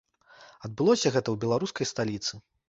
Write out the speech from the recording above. Адбылося гэта ў беларускай сталіцы.